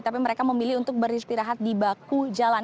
tapi mereka memilih untuk beristirahat di baku jalan